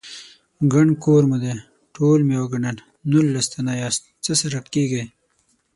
_ګڼ کور مو دی، ټول مې وګڼل، نولس تنه ياست، څه سره کېږئ؟